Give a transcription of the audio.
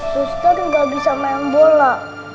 suster gak bisa main bola